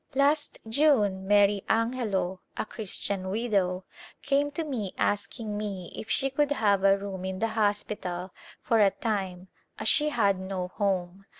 Last June, Mary Angelo, a Christian widow, came to me asking if she could have a room in the hospital for a time as she had no home.